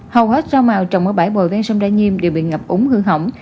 hầu hết rau màu trồng ở bãi bồi ven sông đa nhiêm đều bị ngập úng hư hỏng